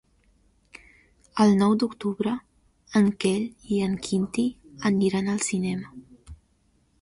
El nou d'octubre en Quel i en Quintí aniran al cinema.